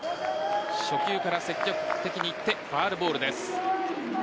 初球から積極的にいってファウルボールです。